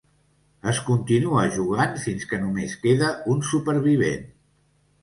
Es continua jugant fins que només queda un supervivent.